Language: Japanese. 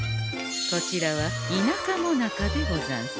こちらは「田舎もなか」でござんす。